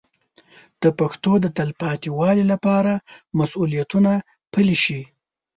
د پښتو د تلپاتې والي لپاره مسوولیتونه پلي شي.